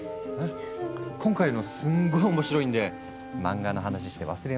今回のすんごい面白いんで漫画の話して忘れましょね。